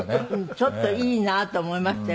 ちょっといいなと思いましたよ